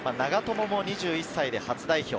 長友も２１歳で初代表。